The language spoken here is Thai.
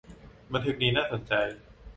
บันทึกนี้น่าสนใจ